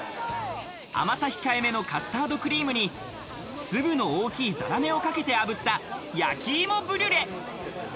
甘さ控え目のカスタードクリームに、粒の大きいザラメをかけて炙った焼き芋ブリュレ。